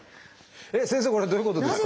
先生これどういうことですか？